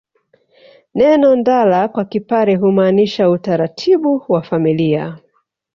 Neno ndala kwa Kipare humaanisha utaratibu wa familia